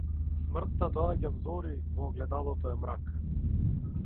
Смртта доаѓа взори, во огледалото е мрак.